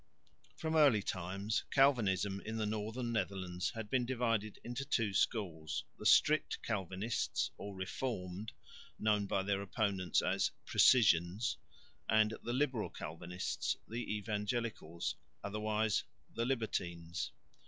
From early times Calvinism in the northern Netherlands had been divided into two schools. The strict Calvinists or "Reformed," known by their opponents as "Precisians," and the liberal Calvinists, "the Evangelicals," otherwise "the Libertines."